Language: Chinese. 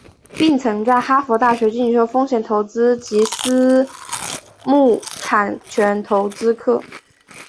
并曾在哈佛大学进修风险投资及私募产权投资课程。